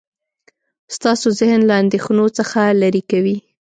ستاسو ذهن له اندیښنو څخه لرې کوي.